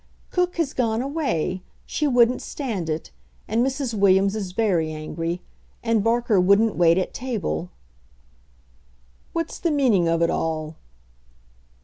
"Cook has gone away. She wouldn't stand it. And Mrs. Williams is very angry. And Barker wouldn't wait at table." "What's the meaning of it all?"